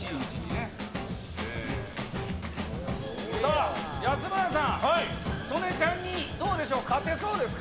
さあ、安村さん、曽根ちゃんに、どうでしょう、勝てそうですか？